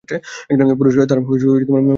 পুরুষেরা তার মোহে আচ্ছন্ন হতো।